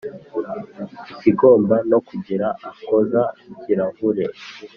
kigomba no kugira akoza-kirahure